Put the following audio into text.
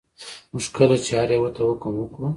موږ کله چې هر یوه ته حکم وکړو.